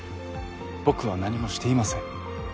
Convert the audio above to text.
僕は何もしていません。